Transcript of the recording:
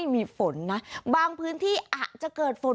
สวัสดีค่ะรุ่นก่อนเวลาเหนียวกับดาวสุภาษฎรามมาแล้วค่ะ